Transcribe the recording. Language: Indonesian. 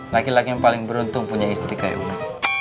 laki laki yang paling beruntung punya istri kayak umi